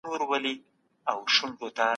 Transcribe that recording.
شهوت پرستي انسان ړوندوي.